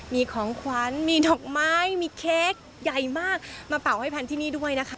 มีของขวัญมีดอกไม้มีเค้กใหญ่มากมาเป่าให้แพนที่นี่ด้วยนะคะ